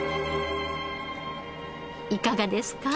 いかがですか？